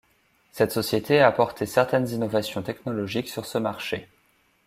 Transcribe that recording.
Cette société a apporté certaines innovations technologiques sur ce marché.